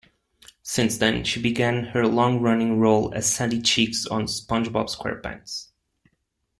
Since then, she began her long-running role as Sandy Cheeks on "SpongeBob SquarePants".